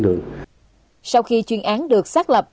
bố trí tuần tra vụ